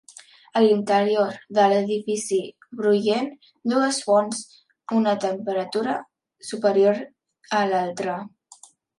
A l'interior de l'edifici brollen dues fonts, una a temperatura superior a l'altra.